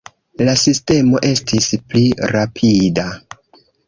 La sistemo estis pli rapida.